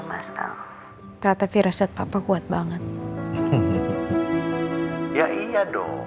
ialah pakodenya ruang diri kita terkenal ya